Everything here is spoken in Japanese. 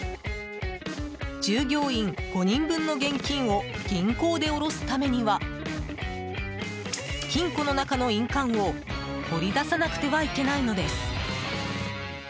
従業員５人分の現金を銀行で下ろすためには金庫の中の印鑑を取り出さなくてはいけないのです。